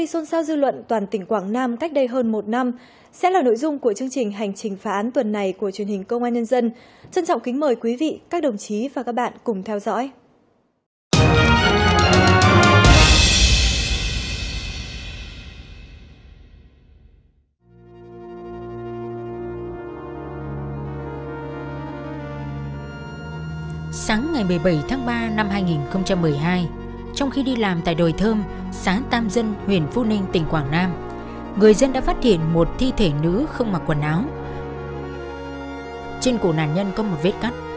xin mời quý vị các đồng chí và các bạn cùng theo dõi